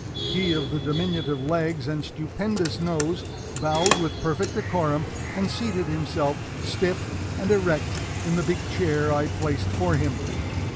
He of the diminutive legs and stupendous nose bowed with perfect decorum, and seated himself, stiff and erect, in the big chair I placed for him.